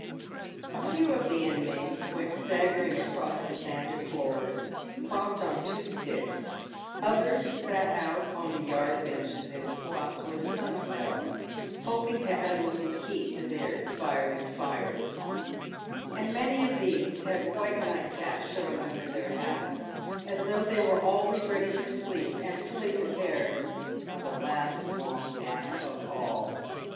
A few of the inmates went PAYED WITH GOLD. 35 staggering across the sanded floors, propped on two sticks ; others sat out on the yard benches in the spots where the sun fell, hoping to add a little heat to their expiring fires ; and many of these had white nightcaps showing under their hats, as though they were always ready for sleep, and fully prepared for the last long nap of all.